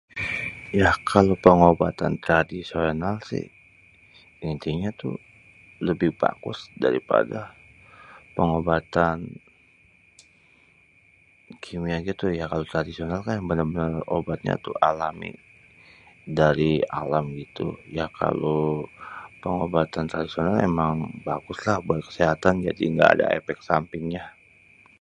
Ya kalo pengobatan tradisional si intinyé tuh, lebih bagus dari pada pengobatan, kimia gitu ya. Kalo tradisional kan bener-bener obatnya tuh alami, dari alam gitu, ya kalau pengobatan tradisional emang baguslah buat kesehatan jadi enggak ada efek sampingnya.